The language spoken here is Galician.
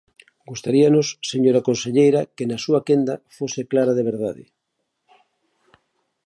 Gustaríanos, señora conselleira, que na súa quenda fose clara de verdade.